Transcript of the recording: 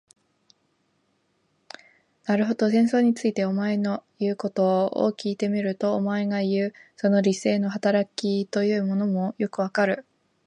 なるほど、戦争について、お前の言うことを聞いてみると、お前がいう、その理性の働きというものもよくわかる。